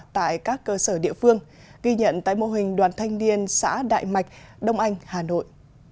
tại các cơ sở địa phương ghi nhận tại mô hình đoàn thanh niên xã đại mạch đông anh hà nội